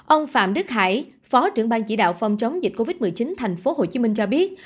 ông phạm đức hải phó trưởng ban chỉ đạo phòng chống dịch covid một mươi chín thành phố hồ chí minh cho biết